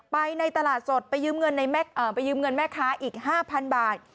ไปในตลาดสดไปยืมเงินแม่ค้าอีก๕๐๐บาท